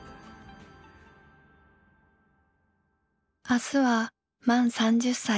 「明日は満３０才。